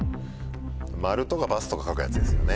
「○」とか「×」とか書くやつですよね。